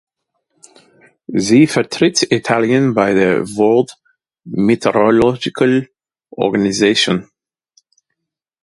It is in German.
Sie vertritt Italien bei der World Meteorological Organization.